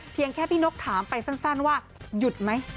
แค่พี่นกถามไปสั้นว่าหยุดไหม